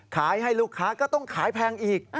ให้ลูกค้าก็ต้องขายแพงอีก